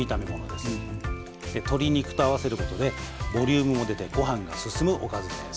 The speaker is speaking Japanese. で鶏肉と合わせることでボリュームも出てごはんが進むおかずです。